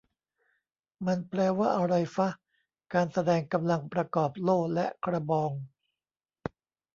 มันแปลว่าอะไรฟะ "การแสดงกำลังประกอบโล่และกระบอง"